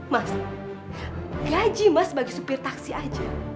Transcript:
mas gaji mas bagi supir taksi aja